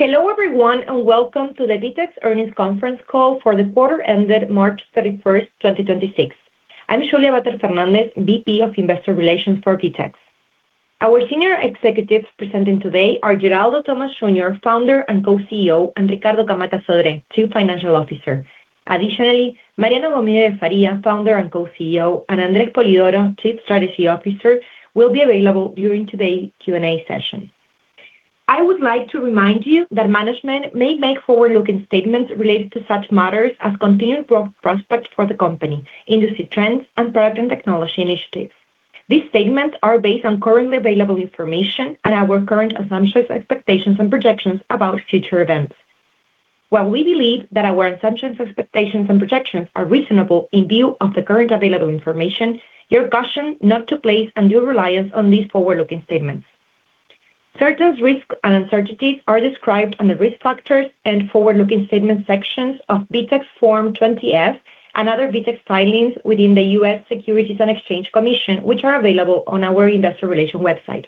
Hello everyone, and welcome to the VTEX earnings conference call for the quarter ended March 31st, 2026. I'm Julia Vater Fernández, VP of Investor Relations for VTEX. Our senior executives presenting today are Geraldo Thomaz Jr., Founder and Co-Chief Executive Officer, and Ricardo Camatta Sodré, Chief Financial Officer. Additionally, Mariano Gomide de Faria, Founder and Co-Chief Executive Officer, and André Spolidoro, Chief Strategy Officer, will be available during today's Q&A session. I would like to remind you that management may make forward-looking statements related to such matters as continued growth prospects for the company, industry trends, and product and technology initiatives. These statements are based on currently available information and our current assumptions, expectations, and projections about future events. While we believe that our assumptions, expectations, and projections are reasonable in view of the current available information, you're cautioned not to place undue reliance on these forward-looking statements. Certain risks and uncertainties are described in the Risk Factors and Forward-Looking Statements sections of VTEX Form 20-F and other VTEX filings within the U.S. Securities and Exchange Commission, which are available on our investor relations website.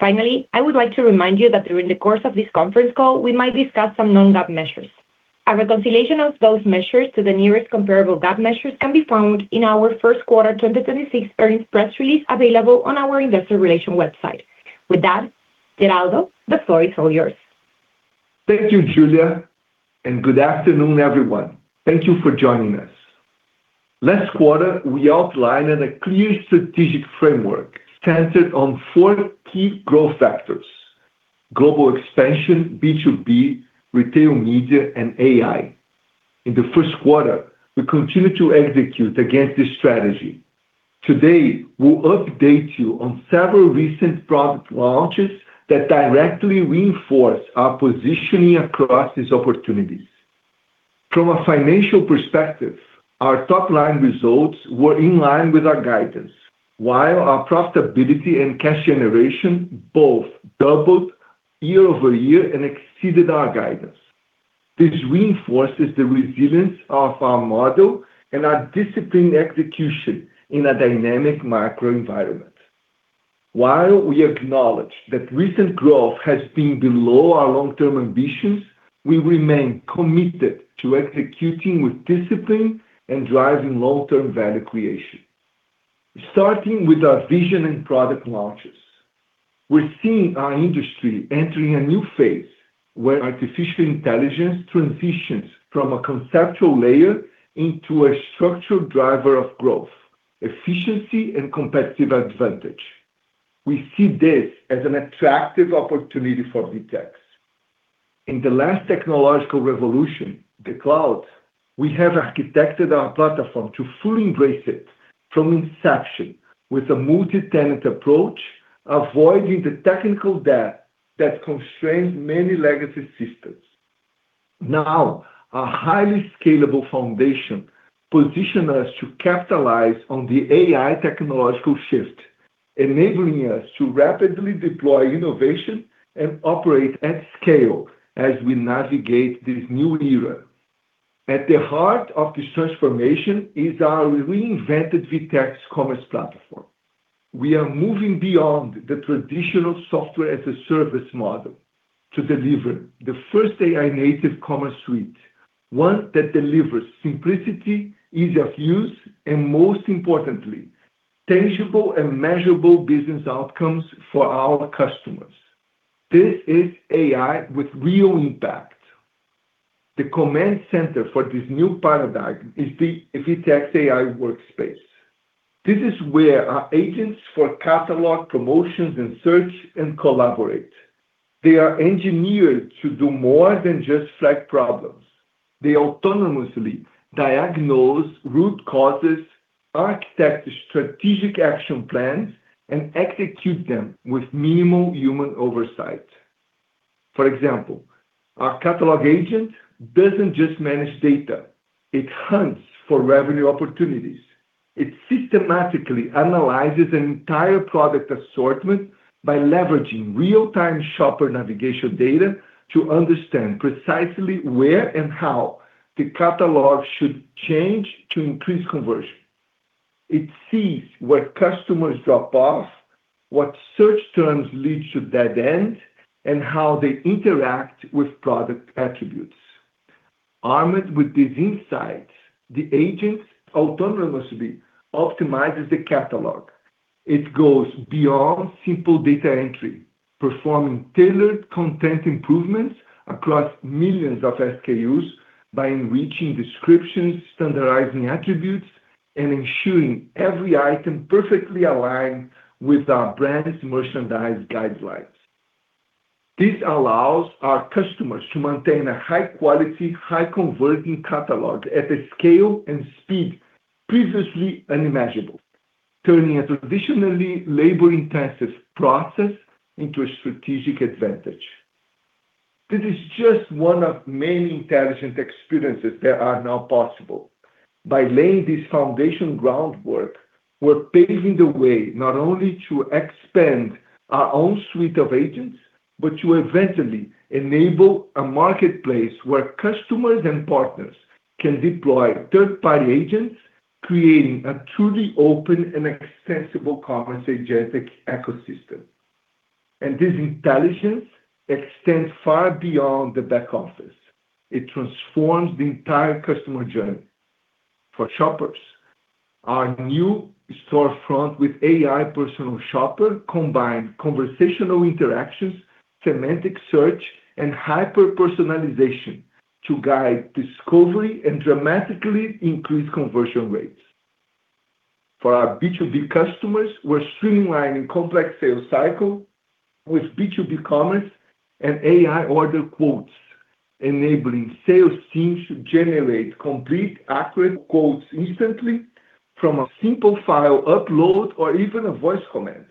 Finally, I would like to remind you that during the course of this conference call, we might discuss some non-GAAP measures. Our reconciliation of those measures to the nearest comparable GAAP measures can be found in our first quarter 2026 earnings press release available on our investor relations website. With that, Geraldo, the floor is all yours. Thank you, Julia, and good afternoon, everyone. Thank you for joining us. Last quarter, we outlined a clear strategic framework centered on four key growth factors: global expansion, B2B, retail media, and AI. In the first quarter, we continued to execute against this strategy. Today, we'll update you on several recent product launches that directly reinforce our positioning across these opportunities. From a financial perspective, our top-line results were in line with our guidance, while our profitability and cash generation both doubled year-over-year and exceeded our guidance. This reinforces the resilience of our model and our disciplined execution in a dynamic macro environment. While we acknowledge that recent growth has been below our long-term ambitions, we remain committed to executing with discipline and driving long-term value creation. Starting with our vision and product launches, we're seeing our industry entering a new phase where artificial intelligence transitions from a conceptual layer into a structural driver of growth, efficiency, and competitive advantage. We see this as an attractive opportunity for VTEX. In the last technological revolution, the cloud, we have architected our platform to fully embrace it from inception with a multi-tenant approach, avoiding the technical debt that constrained many legacy systems. Now, our highly scalable foundation position us to capitalize on the AI technological shift, enabling us to rapidly deploy innovation and operate at scale as we navigate this new era. At the heart of this transformation is our reinvented VTEX Commerce Platform. We are moving beyond the traditional Software as a Service model to deliver the first AI-native commerce suite, one that delivers simplicity, ease of use, and most importantly, tangible and measurable business outcomes for our customers. This is AI with real impact. The command center for this new paradigm is the VTEX AI Workspace. This is where our agents for catalog, promotions, and search can collaborate. They are engineered to do more than just flag problems. They autonomously diagnose root causes, architect strategic action plans, and execute them with minimal human oversight. For example, our catalog agent doesn't just manage data, it hunts for revenue opportunities. It systematically analyzes an entire product assortment by leveraging real-time shopper navigation data to understand precisely where and how the catalog should change to increase conversion. It sees where customers drop off, what search terms lead to dead ends, and how they interact with product attributes. Armed with these insights, the agent autonomously optimizes the catalog. It goes beyond simple data entry, performing tailored content improvements across millions of SKUs by enriching descriptions, standardizing attributes, and ensuring every item perfectly align with our brand's merchandise guidelines. This allows our customers to maintain a high-quality, high-converting catalog at a scale and speed previously unimaginable, turning a traditionally labor-intensive process into a strategic advantage. This is just one of many intelligent experiences that are now possible. By laying this foundation groundwork, we're paving the way not only to expand our own suite of agents, but to eventually enable a marketplace where customers and partners can deploy third-party agents creating a truly open and accessible commerce agentic ecosystem. This intelligence extends far beyond the back office. It transforms the entire customer journey. For shoppers, our new storefront with AI Personal Shopper combine conversational interactions, semantic search, and hyper-personalization to guide discovery and dramatically increase conversion rates. For our B2B customers, we're streamlining complex sales cycle with B2B commerce and AI order quotes, enabling sales teams to generate complete accurate quotes instantly from a simple file upload or even a voice command.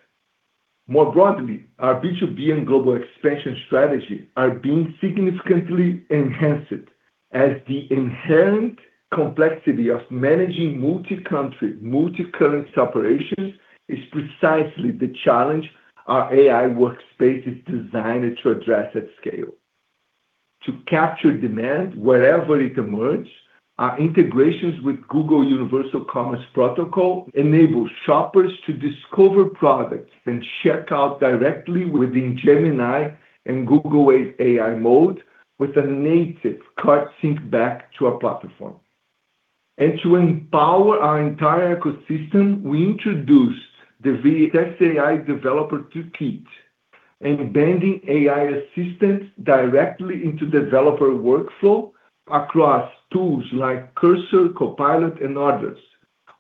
More broadly, our B2B and global expansion strategy are being significantly enhanced as the inherent complexity of managing multi-country, multi-currency operations is precisely the challenge our AI workspace is designed to address at scale. To capture demand wherever it emerges, our integrations with Google Universal Commerce Protocol enable shoppers to discover products and check out directly within Gemini and Google AI Mode with a native cart sync back to our platform. To empower our entire ecosystem, we introduced the VTEX AI Developer Toolkit, embedding AI assistants directly into developer workflow across tools like Cursor, Copilot, and others,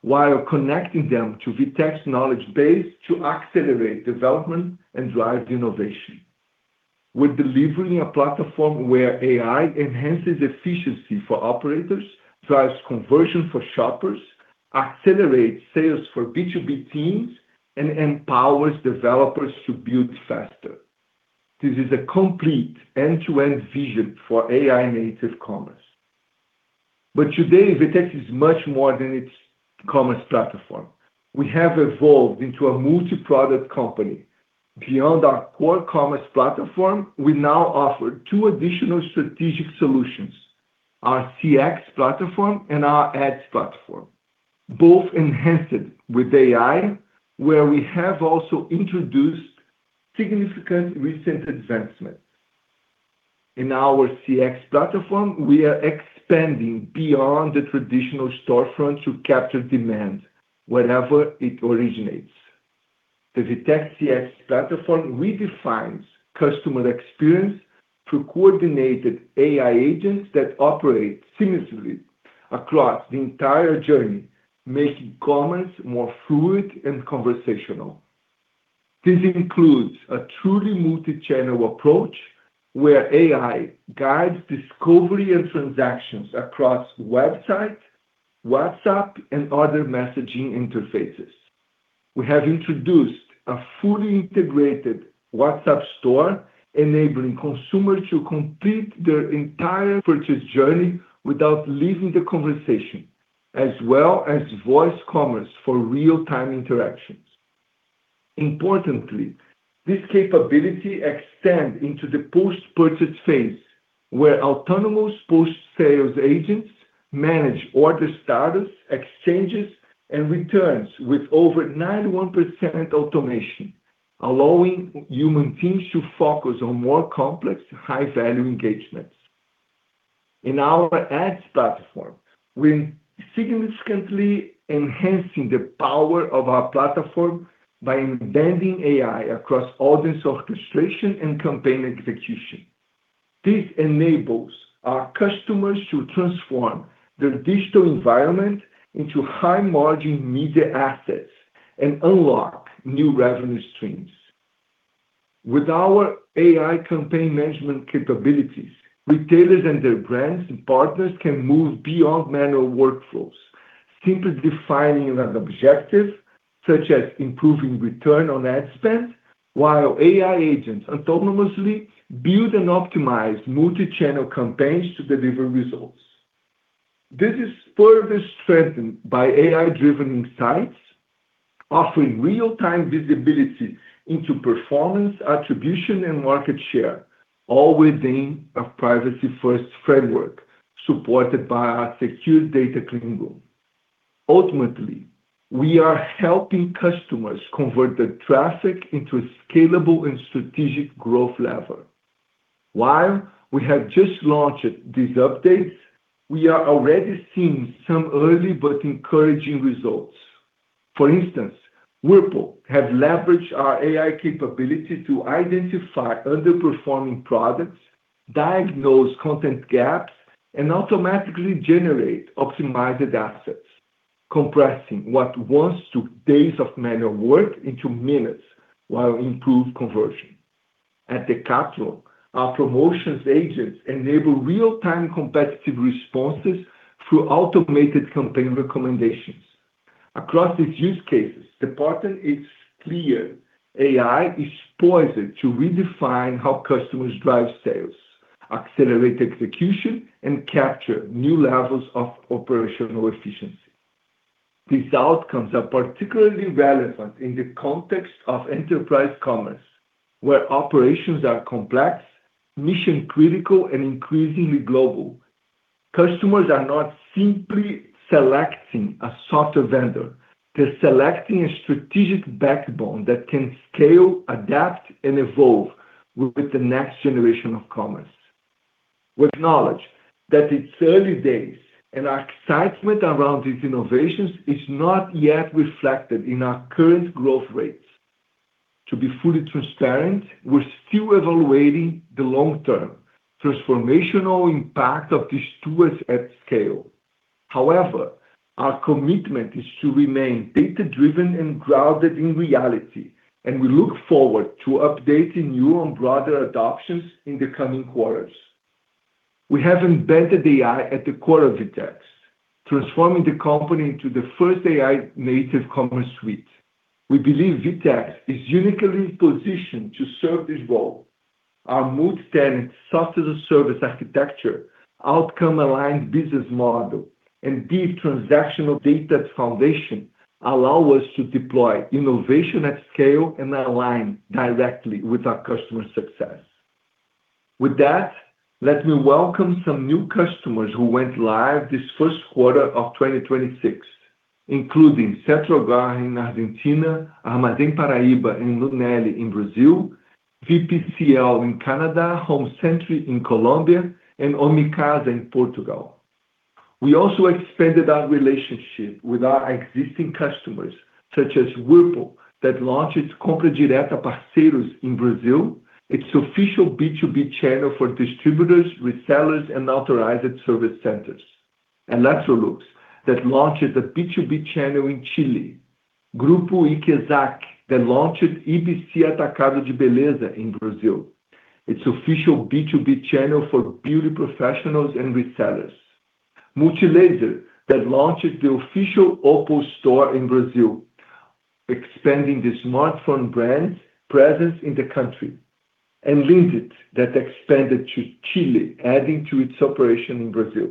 while connecting them to VTEX knowledge base to accelerate development and drive innovation. We're delivering a platform where AI enhances efficiency for operators, drives conversion for shoppers, accelerates sales for B2B teams, and empowers developers to build faster. This is a complete end-to-end vision for AI-native commerce. Today, VTEX is much more than its Commerce Platform. We have evolved into a multi-product company. Beyond our core Commerce Platform, we now offer two additional strategic solutions: our CX Platform and our Ads Platform, both enhanced with AI, where we have also introduced significant recent advancements. In our CX Platform, we are expanding beyond the traditional storefront to capture demand wherever it originates. The VTEX CX Platform redefines customer experience through coordinated AI agents that operate seamlessly across the entire journey, making commerce more fluid and conversational. This includes a truly multi-channel approach, where AI guides discovery and transactions across website, WhatsApp, and other messaging interfaces. We have introduced a fully integrated WhatsApp store, enabling consumers to complete their entire purchase journey without leaving the conversation, as well as voice commerce for real-time interactions. Importantly, this capability extends into the post-purchase phase, where autonomous post-sales agents manage order status, exchanges, and returns with over 91% automation, allowing human teams to focus on more complex, high-value engagements. In our Ads Platform, we're significantly enhancing the power of our platform by embedding AI across audience orchestration and campaign execution. This enables our customers to transform their digital environment into high-margin media assets and unlock new revenue streams. With our AI campaign management capabilities, retailers and their brands and partners can move beyond manual workflows, simply defining an objective, such as improving return on ad spend, while AI agents autonomously build and optimize multi-channel campaigns to deliver results. This is further strengthened by AI-driven insights, offering real-time visibility into performance, attribution, and market share, all within a privacy-first framework supported by our secure data clean room. Ultimately, we are helping customers convert their traffic into a scalable and strategic growth lever. While we have just launched these updates, we are already seeing some early but encouraging results. For instance, Whirlpool have leveraged our AI capability to identify underperforming products, diagnose content gaps, and automatically generate optimized assets, compressing what once took days of manual work into minutes while improved conversion. At Decathlon, our promotions agents enable real-time competitive responses through automated campaign recommendations. Across these use cases, the pattern is clear. AI is poised to redefine how customers drive sales, accelerate execution, and capture new levels of operational efficiency. These outcomes are particularly relevant in the context of enterprise commerce, where operations are complex, mission-critical, and increasingly global. Customers are not simply selecting a software vendor. They're selecting a strategic backbone that can scale, adapt, and evolve with the next generation of commerce. We acknowledge that it's early days, and our excitement around these innovations is not yet reflected in our current growth rates. To be fully transparent, we're still evaluating the long-term transformational impact of these tools at scale. However, our commitment is to remain data-driven and grounded in reality, and we look forward to updating you on broader adoptions in the coming quarters. We have embedded AI at the core of VTEX, transforming the company into the first AI-native commerce suite. We believe VTEX is uniquely positioned to serve this role. Our multi-tenant software-as-a-service architecture, outcome-aligned business model, and deep transactional data foundation allow us to deploy innovation at scale and align directly with our customer success. With that, let me welcome some new customers who went live this first quarter of 2026, including Centro [de Jardin] in Argentina, Armazém Paraíba and Lunelli in Brazil, VPCL in Canada, Homecenter in Colombia, and Omnicasa in Portugal. We also expanded our relationship with our existing customers, such as Whirlpool, that launched its Compra Direta Parceiros in Brazil, its official B2B channel for distributors, resellers, and authorized service centers, Electrolux, that launched its B2B channel in Chile, and Grupo Ikesaki, that launched EBC Atacado de Beleza in Brazil, its official B2B channel for beauty professionals and resellers. Multilaser, that launched the official OPPO Store in Brazil, expanding the smartphone brand presence in the country. [Linzet], that expanded to Chile, adding to its operation in Brazil.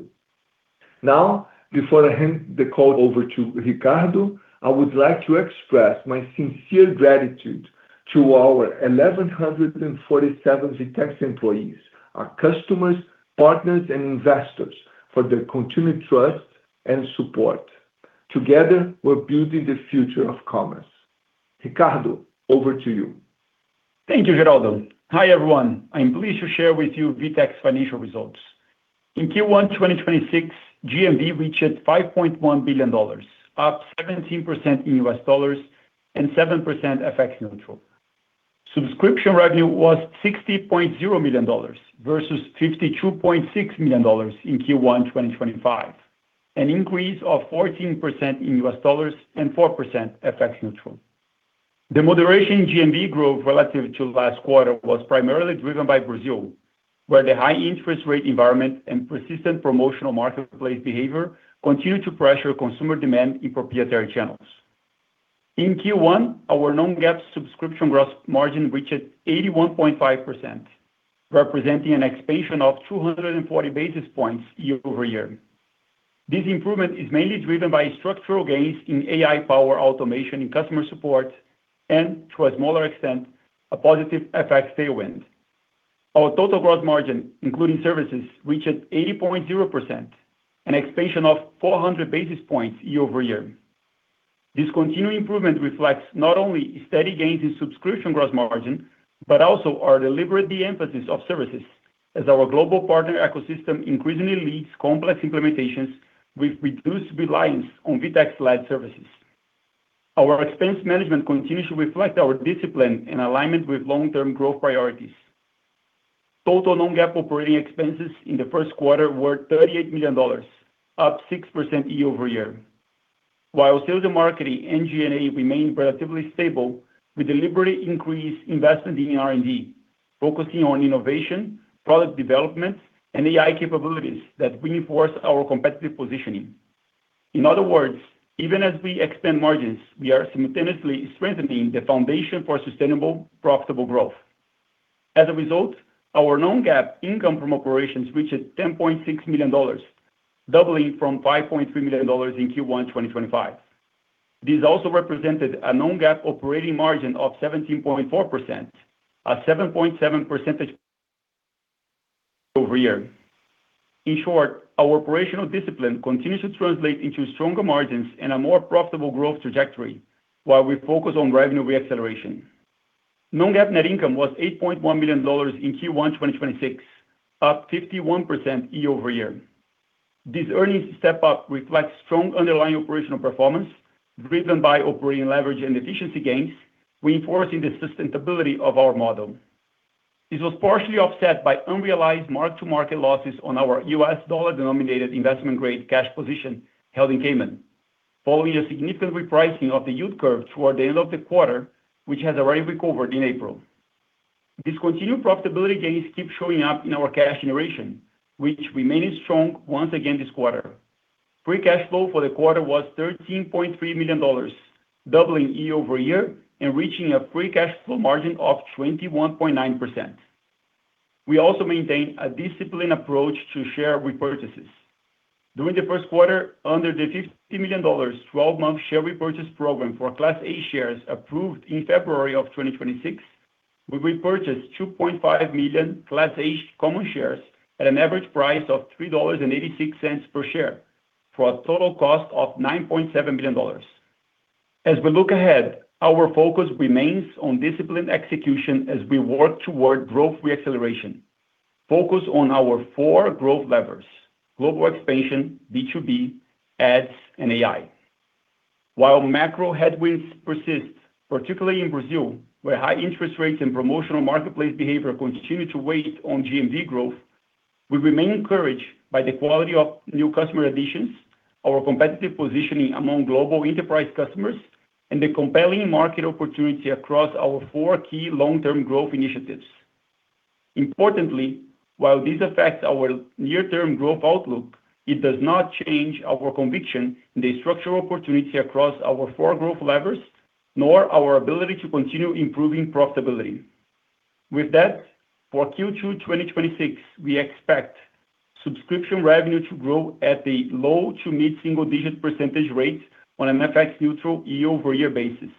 Now, before I hand the call over to Ricardo, I would like to express my sincere gratitude to our 1,147 VTEX employees, our customers, partners, and investors for their continued trust and support. Together, we're building the future of commerce. Ricardo, over to you. Thank you, Geraldo. Hi, everyone. I'm pleased to share with you VTEX financial results. In Q1 2026, GMV reached $5.1 billion, up 17% in U.S. dollars and 7% FX neutral. Subscription revenue was $60.0 million versus $52.6 million in Q1 2025, an increase of 14% in U.S. dollars and 4% FX neutral. The moderation in GMV growth relative to last quarter was primarily driven by Brazil, where the high interest rate environment and persistent promotional marketplace behavior continued to pressure consumer demand in proprietary channels. In Q1, our non-GAAP subscription gross margin reached 81.5%, representing an expansion of 240 basis points year-over-year. This improvement is mainly driven by structural gains in AI-powered automation in customer support and, to a smaller extent, a positive FX tailwind. Our total gross margin, including services, reached 80.0%, an expansion of 400 basis points year-over-year. This continuing improvement reflects not only steady gains in subscription gross margin, but also our deliberate de-emphasis of services as our global partner ecosystem increasingly leads complex implementations with reduced reliance on VTEX-led services. Our expense management continues to reflect our discipline in alignment with long-term growth priorities. Total non-GAAP operating expenses in the first quarter were $38 million, up 6% year-over-year. While sales and marketing and G&A remained relatively stable, we deliberately increased investment in R&D, focusing on innovation, product development, and AI capabilities that reinforce our competitive positioning. In other words, even as we expand margins, we are simultaneously strengthening the foundation for sustainable, profitable growth. As a result, our non-GAAP income from operations reached $10.6 million, doubling from $5.3 million in Q1 2025. This also represented a non-GAAP operating margin of 17.4%, a 7.7 percentage [increase] year-over-year. In short, our operational discipline continues to translate into stronger margins and a more profitable growth trajectory while we focus on revenue re-acceleration. Non-GAAP net income was $8.1 million in Q1 2026, up 51% year-over-year. This earnings step-up reflects strong underlying operational performance driven by operating leverage and efficiency gains, reinforcing the sustainability of our model. This was partially offset by unrealized mark-to-market losses on our U.S. dollar-denominated investment-grade cash position held in Cayman, following a significant repricing of the yield curve toward the end of the quarter, which has already recovered in April. These continued profitability gains keep showing up in our cash generation, which remained strong once again this quarter. Free cash flow for the quarter was $13.3 million, doubling year-over-year and reaching a free cash flow margin of 21.9%. We also maintain a disciplined approach to share repurchases. During the first quarter, under the $50 million 12-month share repurchase program for Class A shares approved in February of 2026, we repurchased 2.5 million Class A common shares at an average price of $3.86 per share for a total cost of $9.7 million. As we look ahead, our focus remains on disciplined execution as we work toward growth re-acceleration, focus on our four growth levers, global expansion, B2B, Ads, and AI. While macro headwinds persist, particularly in Brazil, where high interest rates and promotional marketplace behavior continue to weigh on GMV growth, we remain encouraged by the quality of new customer additions, our competitive positioning among global enterprise customers, and the compelling market opportunity across our four key long-term growth initiatives. Importantly, while this affects our near-term growth outlook, it does not change our conviction in the structural opportunity across our four growth levers, nor our ability to continue improving profitability. With that, for Q2 2026, we expect subscription revenue to grow at a low- to mid-single digit percentage rate on an FX neutral year-over-year basis.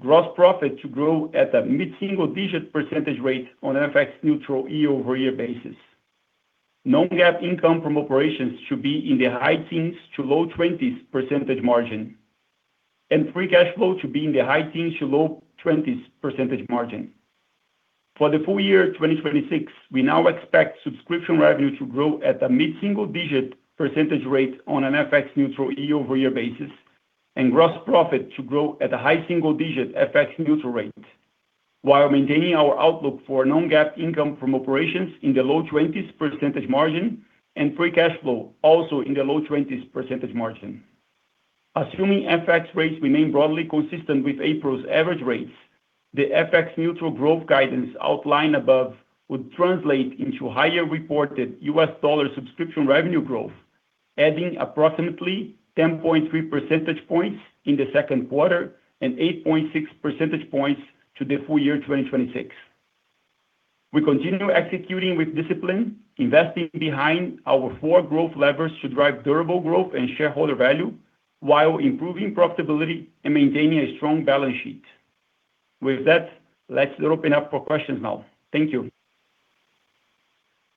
Gross profit to grow at a mid-single digit percentage rate on an FX neutral year-over-year basis. Non-GAAP income from operations should be in the high teens to low 20s percentage margin. Free cash flow to be in the high teens to low 20s percentage margin. For the full year 2026, we now expect subscription revenue to grow at a mid-single-digit percentage rate on an FX neutral year-over-year basis, and gross profit to grow at a high single-digit FX neutral rate, while maintaining our outlook for non-GAAP income from operations in the low 20s percentage margin and free cash flow also in the low 20s percentage margin. Assuming FX rates remain broadly consistent with April's average rates, the FX neutral growth guidance outlined above would translate into higher reported U.S. dollar subscription revenue growth, adding approximately 10.3 percentage points in the second quarter and 8.6 percentage points to the full year 2026. We continue executing with discipline, investing behind our four growth levers to drive durable growth and shareholder value while improving profitability and maintaining a strong balance sheet. With that, let's open up for questions now. Thank you.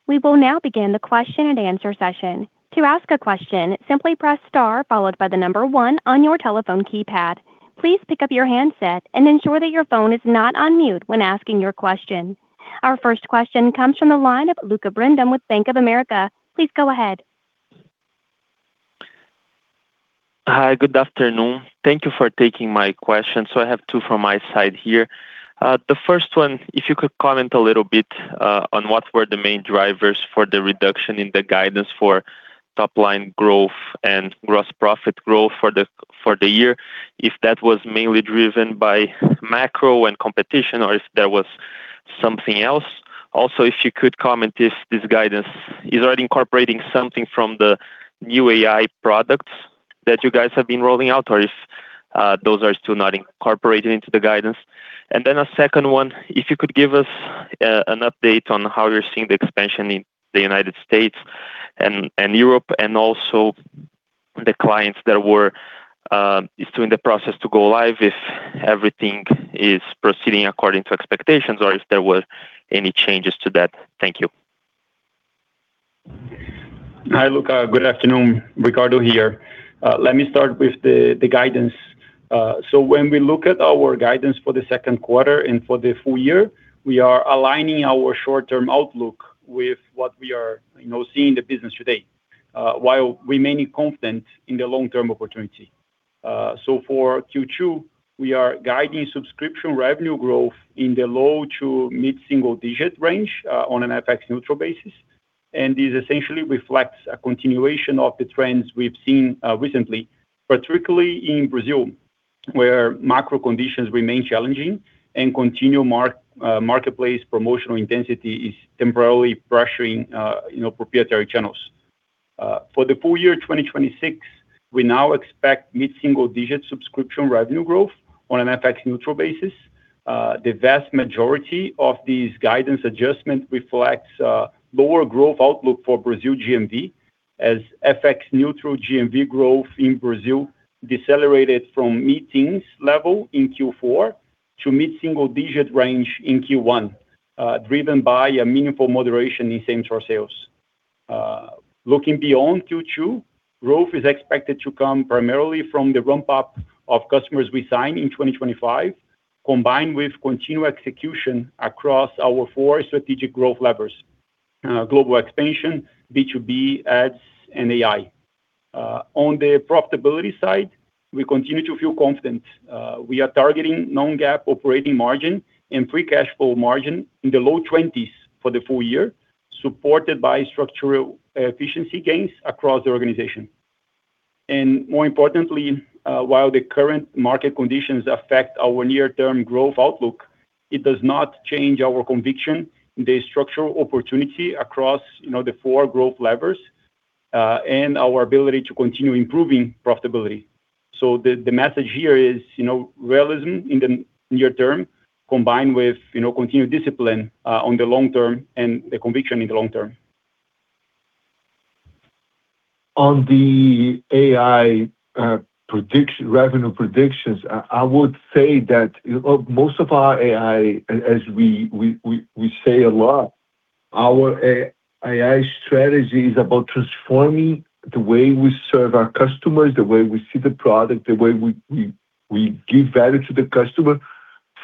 We will now begin the question-and-answer session. To ask a question, simply press star followed by the number one on your telephone keypad. Please pickup your handset and ensure your phone is not on mute when asking your question. Our first question comes from the line of Lucca Brendim with Bank of America. Please go ahead. Hi, good afternoon. Thank you for taking my question. I have two from my side here. The first one, if you could comment a little bit on what were the main drivers for the reduction in the guidance for top line growth and gross profit growth for the year, if that was mainly driven by macro and competition or if there was something else. Also, if you could comment if this guidance is already incorporating something from the new AI products that you guys have been rolling out, or if those are still not incorporated into the guidance. A second one, if you could give us an update on how you're seeing the expansion in the United States and Europe, and also the clients that were still in the process to go live, if everything is proceeding according to expectations or if there was any changes to that. Thank you. Hi, Lucca. Good afternoon. Ricardo here. Let me start with the guidance. When we look at our guidance for the second quarter and for the full year, we are aligning our short-term outlook with what we are, you know, seeing in the business today, while remaining confident in the long-term opportunity. For Q2, we are guiding subscription revenue growth in the low to mid-single digit range on an FX neutral basis. This essentially reflects a continuation of the trends we've seen recently, particularly in Brazil, where macro conditions remain challenging and continued marketplace promotional intensity is temporarily pressuring, you know, proprietary channels. For the full year 2026, we now expect mid-single digit subscription revenue growth on an FX neutral basis. The vast majority of these guidance adjustments reflects lower growth outlook for Brazil GMV as FX neutral GMV growth in Brazil decelerated from mid-teens level in Q4 to mid-single digit range in Q1, driven by a meaningful moderation in same-store sales. Looking beyond Q2, growth is expected to come primarily from the ramp-up of customers we signed in 2025, combined with continued execution across our four strategic growth levers, global expansion, B2B, Ads, and AI. On the profitability side, we continue to feel confident. We are targeting non-GAAP operating margin and free cash flow margin in the low 20s for the full year, supported by structural efficiency gains across the organization. More importantly, while the current market conditions affect our near-term growth outlook, it does not change our conviction in the structural opportunity across, you know, the four growth levers and our ability to continue improving profitability. The message here is, you know, realism in the near term combined with, you know, continued discipline on the long term and the conviction in the long term. On the AI revenue predictions, I would say that, you know, most of our AI, as we say a lot, our AI strategy is about transforming the way we serve our customers, the way we see the product, the way we give value to the customer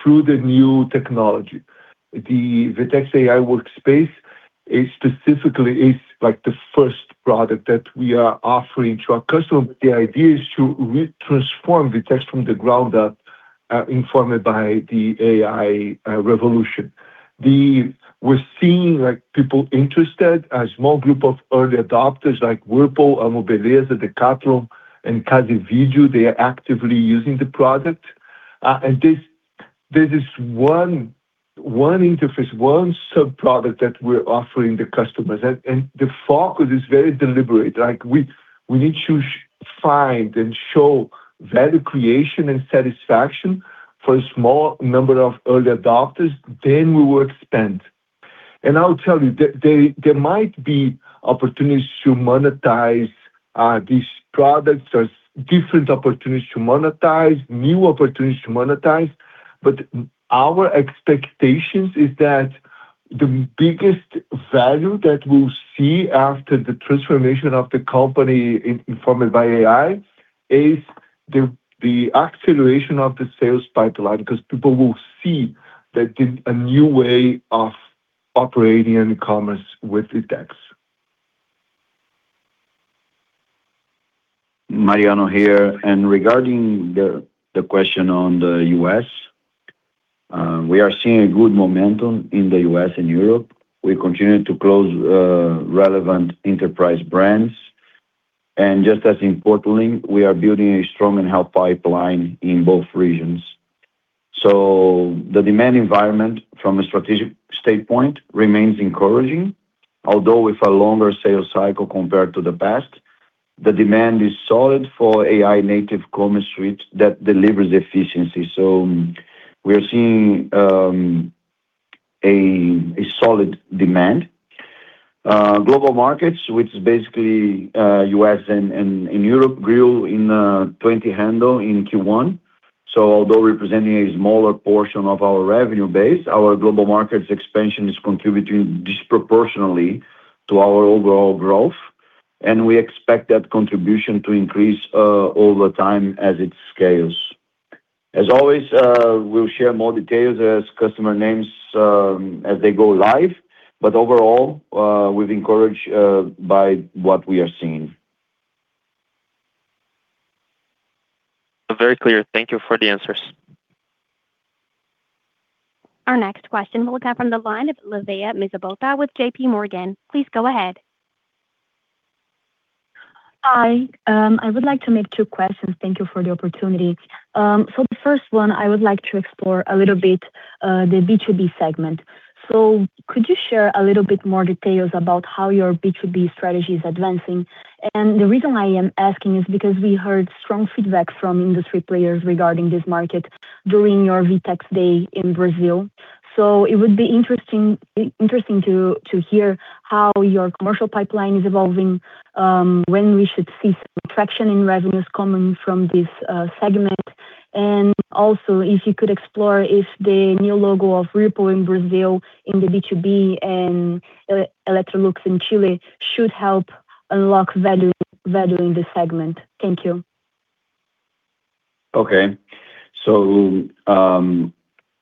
through the new technology. The VTEX AI Workspace is specifically like the first product that we are offering to our customers. The idea is to retransform the text from the ground up, informed by the AI revolution. We're seeing, like, people interested, a small group of early adopters like Whirlpool, AMOBELEZA, Decathlon, and Casa & Vídeo, they are actively using the product. And this is one interface, one sub-product that we're offering the customers. The focus is very deliberate. We need to find and show value creation and satisfaction for a small number of early adopters, then we will expand. I'll tell you, there might be opportunities to monetize these products. There's different opportunities to monetize, new opportunities to monetize. Our expectations is that the biggest value that we'll see after the transformation of the company informed by AI is the acceleration of the sales pipeline, because people will see that this a new way of operating in commerce with VTEX. Mariano here. Regarding the question on the U.S., we are seeing a good momentum in the U.S. and Europe. We continue to close relevant enterprise brands. Just as importantly, we are building a strong and healthy pipeline in both regions. The demand environment from a strategic standpoint remains encouraging. Although with a longer sales cycle compared to the past, the demand is solid for AI-native commerce suite that delivers efficiency. We are seeing a solid demand. Global markets, which is basically U.S. and Europe grew 20% in Q1. Although representing a smaller portion of our revenue base, our global markets expansion is contributing disproportionately to our overall growth, and we expect that contribution to increase over time as it scales. As always, we'll share more details as customer names, as they go live. Overall, we've encouraged by what we are seeing. Very clear. Thank you for the answers. Our next question will come from the line of Livea Mizobata with JPMorgan. Please go ahead. Hi. I would like to make two questions. Thank you for the opportunity. The first one, I would like to explore a little bit the B2B segment. Could you share a little bit more details about how your B2B strategy is advancing? The reason why I am asking is because we heard strong feedback from industry players regarding this market during your VTEX Day in Brazil. It would be interesting to hear how your commercial pipeline is evolving, when we should see some traction in revenues coming from this segment. Also, if you could explore if the new logo of Whirlpool in Brazil in the B2B and Electrolux in Chile should help unlock value in this segment. Thank you. Okay.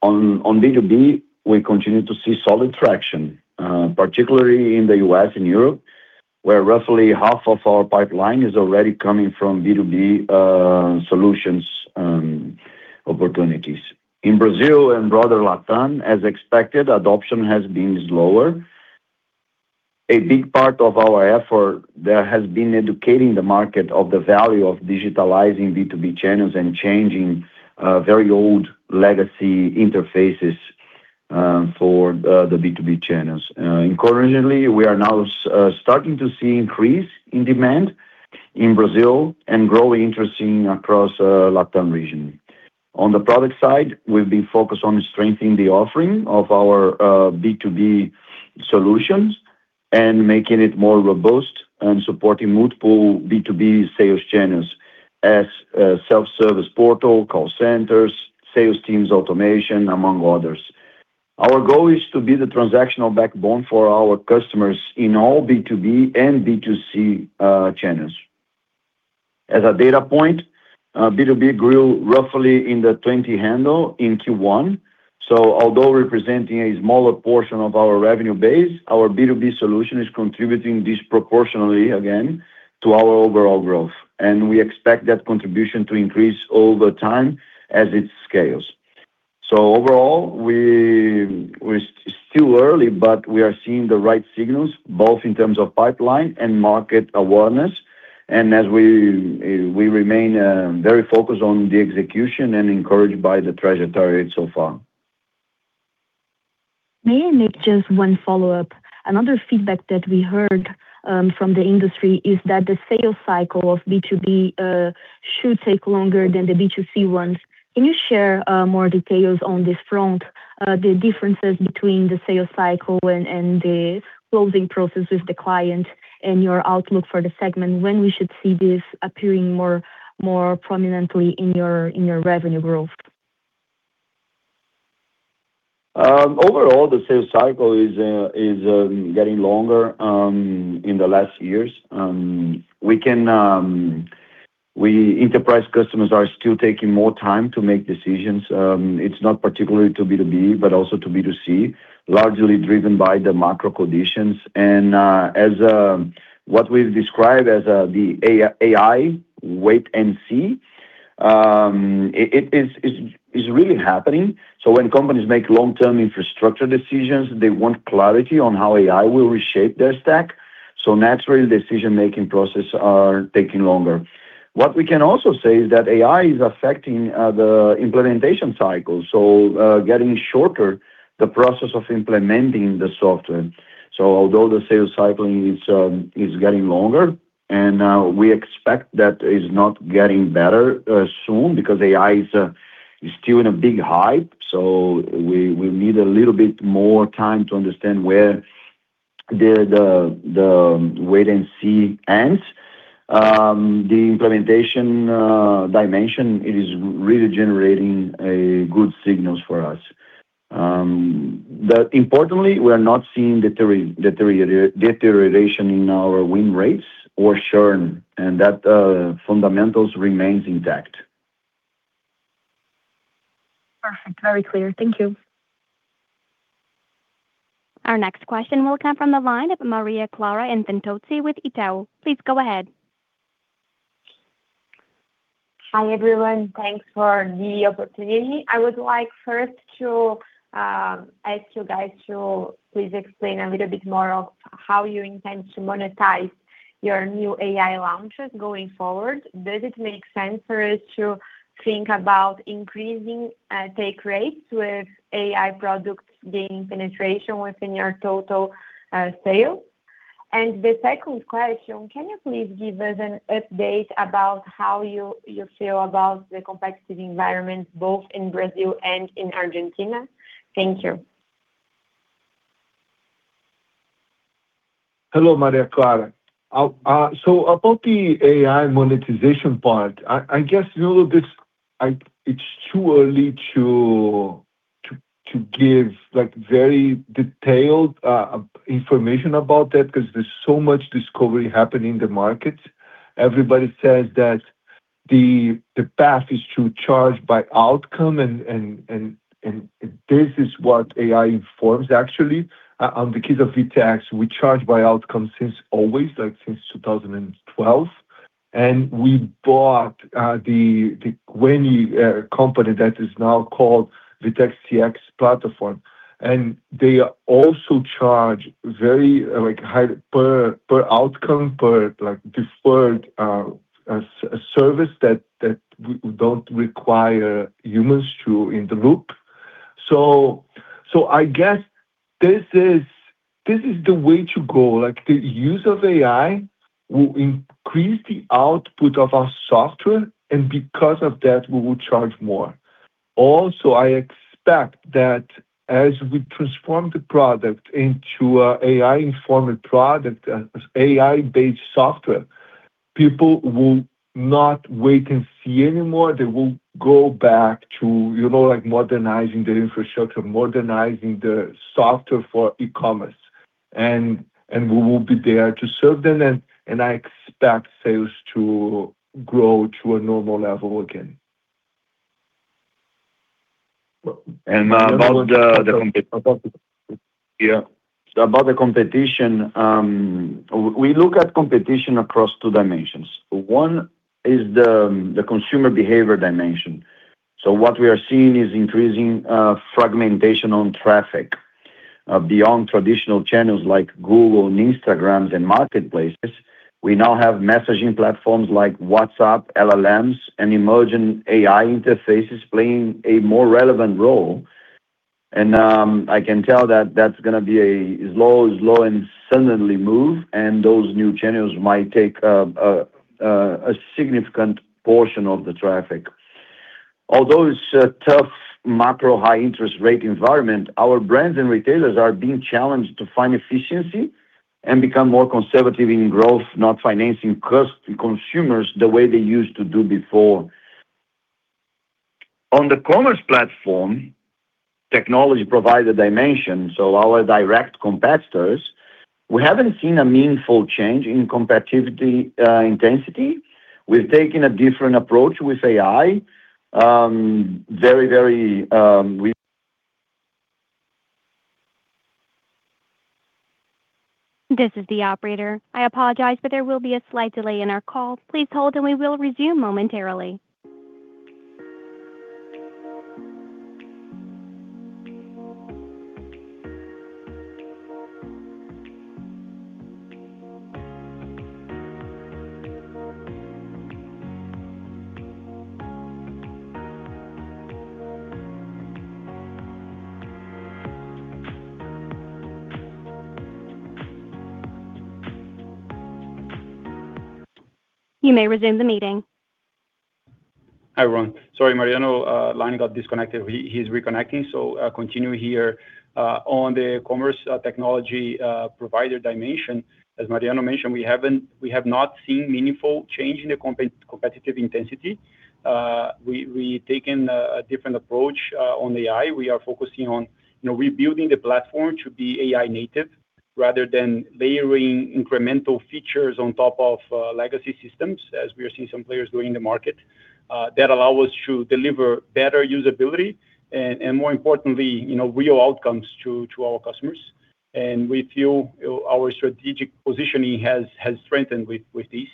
On B2B, we continue to see solid traction, particularly in the U.S. and Europe, where roughly half of our pipeline is already coming from B2B solutions opportunities. In Brazil and broader LatAm, as expected, adoption has been slower. A big part of our effort there has been educating the market of the value of digitalizing B2B channels and changing very old legacy interfaces for the B2B channels. Currently, we are now starting to see increase in demand in Brazil and growing interesting across Latam region. On the product side, we've been focused on strengthening the offering of our B2B solutions and making it more robust and supporting multiple B2B sales channels as a self-service portal, call centers, sales teams automation, among others. Our goal is to be the transactional backbone for our customers in all B2B and B2C channels. As a data point, B2B grew roughly in the 20 handle in Q1. Although representing a smaller portion of our revenue base, our B2B solution is contributing disproportionately again to our overall growth. We expect that contribution to increase over time as it scales. Overall, it's still early, but we are seeing the right signals, both in terms of pipeline and market awareness. As we remain very focused on the execution and encouraged by the trajectory so far. May I make just one follow-up? Another feedback that we heard from the industry is that the sales cycle of B2B should take longer than the B2C ones. Can you share more details on this front, the differences between the sales cycle and the closing process with the client and your outlook for the segment? When we should see this appearing more prominently in your revenue growth? Overall, the sales cycle is getting longer in the last years. Enterprise customers are still taking more time to make decisions. It's not particularly to B2B, but also to B2C, largely driven by the macro conditions. As what we've described as the AI wait and see is really happening. When companies make long-term infrastructure decisions, they want clarity on how AI will reshape their stack, so naturally, decision-making process are taking longer. What we can also say is that AI is affecting the implementation cycle, so getting shorter the process of implementing the software. Although the sales cycle is getting longer, and we expect that is not getting better soon because AI is still in a big hype, we need a little bit more time to understand where the wait and see ends. The implementation dimension is really generating a good signals for us. Importantly, we are not seeing deterioration in our win rates or churn, and that fundamentals remains intact. Perfect. Very clear. Thank you. Our next question will come from the line of Maria Clara Infantozzi with Itaú. Please go ahead. Hi, everyone. Thanks for the opportunity. I would like first to ask you guys to please explain a little bit more of how you intend to monetize your new AI launches going forward. Does it make sense for us to think about increasing take rates with AI products gaining penetration within your total sales? The second question, can you please give us an update about how you feel about the competitive environment both in Brazil and in Argentina? Thank you. Hello, Maria Clara. About the AI monetization part, I guess a little bit it's too early to give, like, very detailed information about that because there's so much discovery happening in the market. Everybody says that the path is to charge by outcome, and this is what AI informs actually. On the case of VTEX, we charge by outcome since always, like since 2012. We bought the Weni company that is now called the VTEX CX Platform, and they also charge very, like, high per outcome, per, like, deferred service that we don't require humans to in the loop. I guess this is the way to go. Like, the use of AI will increase the output of our software, and because of that, we will charge more. Also, I expect that as we transform the product into a AI-informed product, AI-based software, people will not wait and see anymore. They will go back to, you know, like modernizing their infrastructure, modernizing the software for e-commerce, and we will be there to serve them. I expect sales to grow to a normal level again. About the competition, we look at competition across two dimensions. One is the consumer behavior dimension. What we are seeing is increasing fragmentation on traffic beyond traditional channels like Google and Instagram and marketplaces. We now have messaging platforms like WhatsApp, LLMs, and emerging AI interfaces playing a more relevant role. I can tell that that's gonna be a slow and suddenly move, and those new channels might take a significant portion of the traffic. Although it's a tough macro high interest rate environment, our brands and retailers are being challenged to find efficiency and become more conservative in growth, not financing consumers the way they used to do before. On the commerce platform, technology provides a dimension, so our direct competitors, we haven't seen a meaningful change in competitive intensity. We've taken a different approach with AI. This is the operator. I apologize, but there will be a slight delay in our call. Please hold and we will resume momentarily. You may resume the meeting. Hi, everyone. Sorry, Mariano, line got disconnected. He's reconnecting, so continue here. On the commerce technology provider dimension, as Mariano mentioned, we have not seen meaningful change in the competitive intensity. We've taken a different approach on AI. We are focusing on, you know, rebuilding the platform to be AI-native rather than layering incremental features on top of legacy systems as we are seeing some players do in the market that allow us to deliver better usability and more importantly, you know, real outcomes to our customers. We feel our strategic positioning has strengthened with this.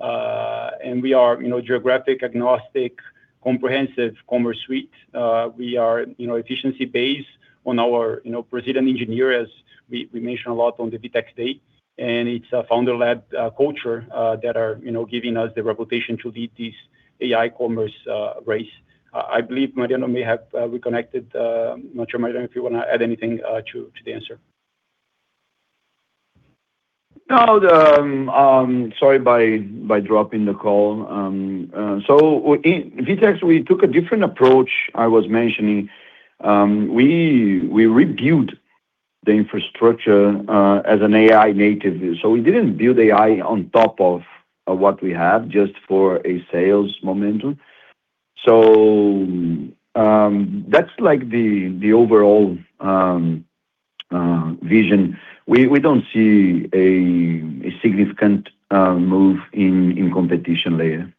We are, you know, geographic agnostic, comprehensive commerce suite. We are, you know, efficiency-based on our, you know, Brazilian engineers. We mentioned a lot on the VTEX Day, and it's a founder-led culture that are, you know, giving us the reputation to lead this AI commerce race. I believe Mariano may have reconnected. I'm not sure, Mariano, if you wanna add anything to the answer. No, sorry by dropping the call. In VTEX, we took a different approach. I was mentioning, we rebuilt the infrastructure as an AI native view. We didn't build AI on top of what we have just for a sales momentum. That's like the overall vision. We don't see a significant move in competition layer.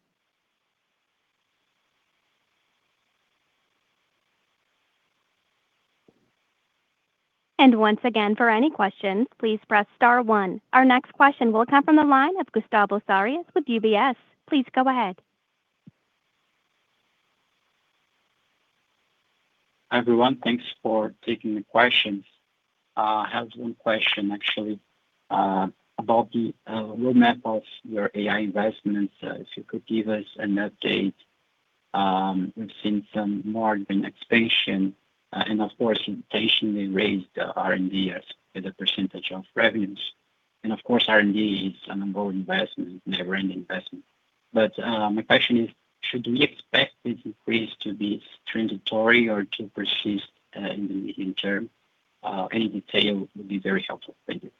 Once again, for any questions, please press star one. Our next question will come from the line of Gustavo Farias with UBS. Please go ahead. Everyone, thanks for taking the questions. I have one question actually, about the roadmap of your AI investments, if you could give us an update. We've seen some margin expansion, of course, you patiently raised the R&D as a percentage of revenues. Of course, R&D is an ongoing investment, never-ending investment. My question is, should we expect this increase to be transitory or to persist in the medium term? Any detail would be very helpful. Thank you.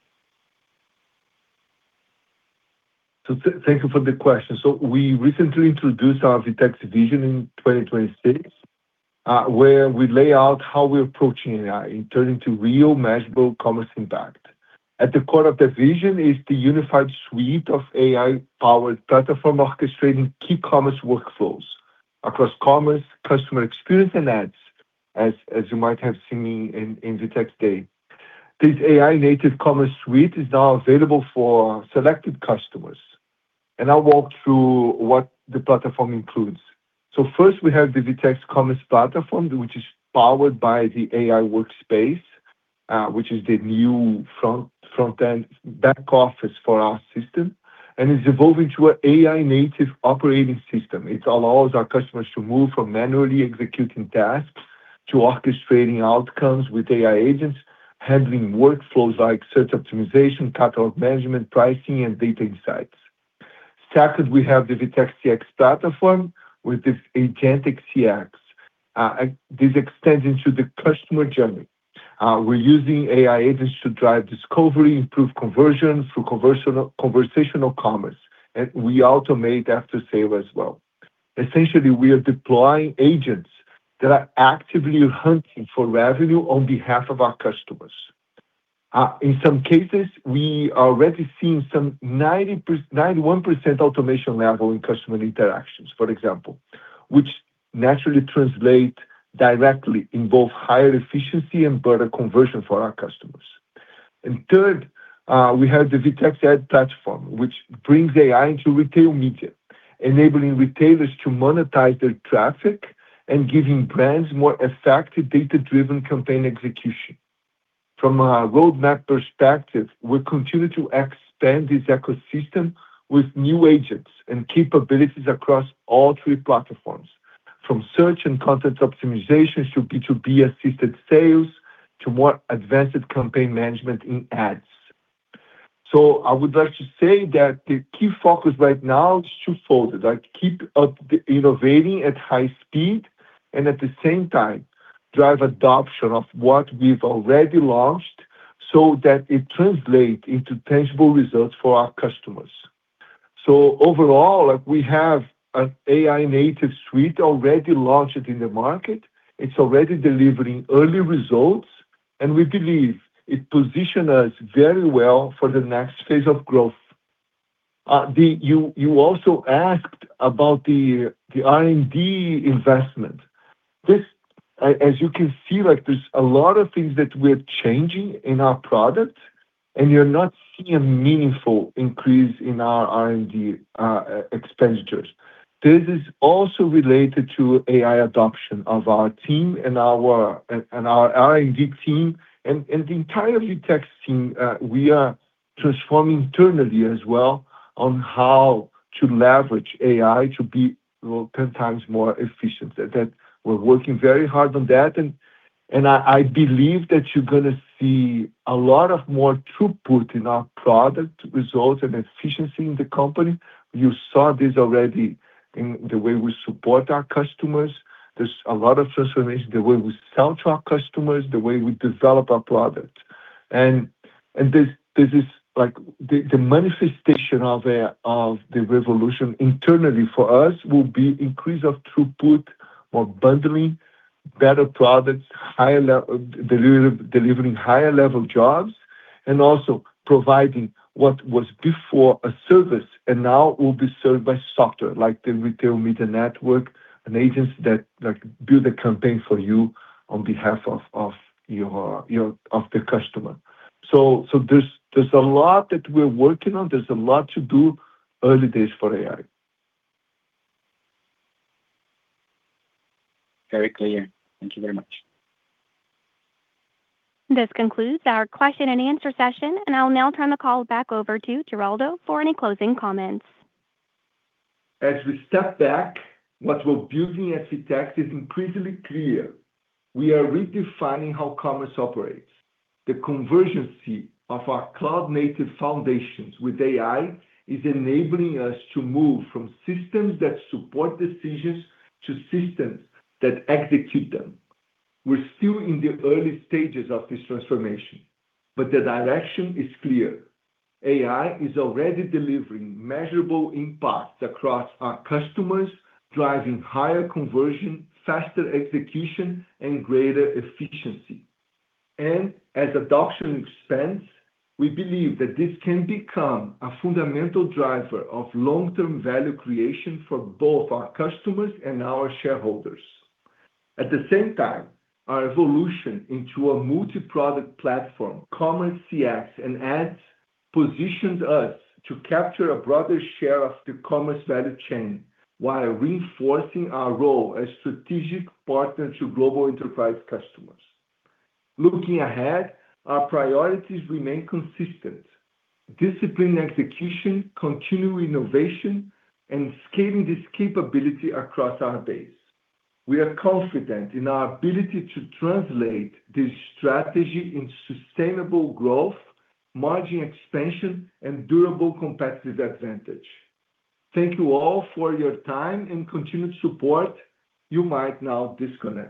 Thank you for the question. We recently introduced our VTEX vision in 2026, where we lay out how we're approaching AI and turn into real measurable commerce impact. At the core of the vision is the unified suite of AI-powered platform orchestrating key commerce workflows across commerce, customer experience, and ads, as you might have seen in VTEX Day. This AI-native commerce suite is now available for selected customers. I'll walk through what the platform includes. First, we have the VTEX Commerce Platform, which is powered by the AI Workspace, which is the new front-end back office for our system, and it's evolving to a AI-native operating system. It allows our customers to move from manually executing tasks to orchestrating outcomes with AI agents, handling workflows like search optimization, catalog management, pricing, and data insights. Second, we have the VTEX CX Platform with this agentic CX. This extends into the customer journey. We're using AI agents to drive discovery, improve conversion through conversational commerce, and we automate after sale as well. Essentially, we are deploying agents that are actively hunting for revenue on behalf of our customers. In some cases, we are already seeing some 91% automation level in customer interactions, for example, which naturally translate directly in both higher efficiency and better conversion for our customers. Third, we have the VTEX Ads Platform, which brings AI into retail media, enabling retailers to monetize their traffic and giving brands more effective data-driven campaign execution. From a roadmap perspective, we continue to expand this ecosystem with new agents and capabilities across all three platforms, from search and content optimization to B2B assisted sales to more advanced campaign management in ads. I would like to say that the key focus right now is twofolded, like innovating at high speed and at the same time, drive adoption of what we've already launched so that it translate into tangible results for our customers. Overall, like we have an AI native suite already launched in the market. It's already delivering early results, and we believe it position us very well for the next phase of growth. You also asked about the R&D investment. As you can see, like there's a lot of things that we're changing in our product, and you're not seeing a meaningful increase in our R&D expenditures. This is also related to AI adoption of our team and our R&D team and the entire VTEX team. We are transforming internally as well on how to leverage AI to be, well, 10x more efficient. We're working very hard on that, and I believe that you're gonna see a lot of more throughput in our product results and efficiency in the company. You saw this already in the way we support our customers. There's a lot of transformation, the way we sell to our customers, the way we develop our product. This is like the manifestation of the revolution internally for us will be increase of throughput, or bundling, better products, delivering higher-level jobs, and also providing what was before a service and now will be served by software, like the retail media network and agents that, like, build a campaign for you on behalf of your customer. There's a lot that we're working on. There's a lot to do. Early days for AI. Very clear. Thank you very much. This concludes our question and answer session, and I'll now turn the call back over to Geraldo for any closing comments. As we step back, what we're building at VTEX is increasingly clear. We are redefining how commerce operates. The convergence of our cloud-native foundations with AI is enabling us to move from systems that support decisions to systems that execute them. We're still in the early stages of this transformation, but the direction is clear. AI is already delivering measurable impacts across our customers, driving higher conversion, faster execution, and greater efficiency. As adoption expands, we believe that this can become a fundamental driver of long-term value creation for both our customers and our shareholders. At the same time, our evolution into a multi-product platform, Commerce CX and Ads, positions us to capture a broader share of the commerce value chain while reinforcing our role as strategic partner to global enterprise customers. Looking ahead, our priorities remain consistent: disciplined execution, continued innovation, and scaling this capability across our base. We are confident in our ability to translate this strategy into sustainable growth, margin expansion, and durable competitive advantage. Thank you all for your time and continued support. You may now disconnect.